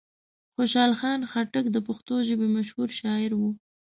خوشحال خان خټک د پښتو ژبې مشهور شاعر و.